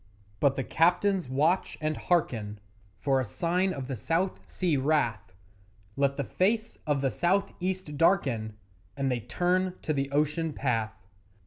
But the captains watch and hearken For a sign of the South Sea wrath Let the face of the South east darken, And they turn to the ocean path.